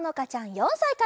４さいから。